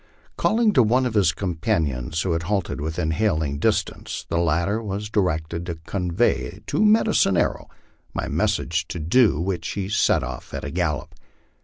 Calling to one of his companions, who had halted within hailing dis tance, the latter was directed to convey to Medicine Arrow my message, to do which he set off at a gallop.